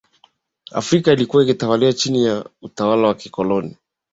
afrika ilikuwa ikitawaliwa chini ya utawala wa wakoloni